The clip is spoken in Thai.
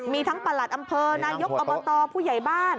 มีทั้งประหลัดอำเภอนายกอบตผู้ใหญ่บ้าน